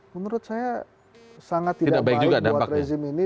menurut saya sangat tidak baik buat rezim ini